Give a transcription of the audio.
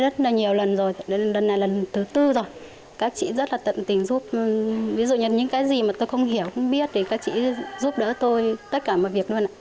các chị rất là tận tình giúp ví dụ những cái gì mà tôi không hiểu không biết thì các chị giúp đỡ tôi tất cả mọi việc luôn